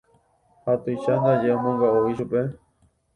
Ha tuicha ndaje omonga'u ichupe.